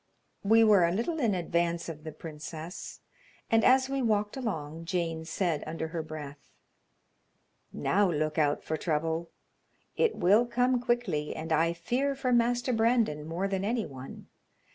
We were a little in advance of the princess, and, as we walked along, Jane said under her breath: "Now look out for trouble; it will come quickly, and I fear for Master Brandon more than any one.